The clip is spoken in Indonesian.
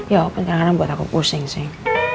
ya apa sekarang buat aku pusing sih